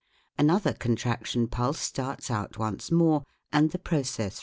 Another contraction pulse starts out once more, and the process repeats itself.